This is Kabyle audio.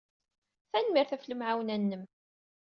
Tanemmirt ɣef lemɛawna-nnem.